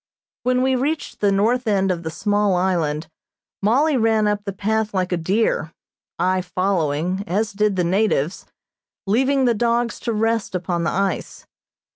When we reached the north end of the small island Mollie ran up the path like a deer, I following, as did the natives, leaving the dogs to rest upon the ice.